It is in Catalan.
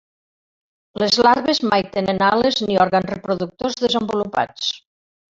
Les larves mai tenen ales ni òrgans reproductors desenvolupats.